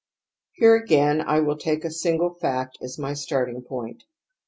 Here again I will take a single fact as my start ing point.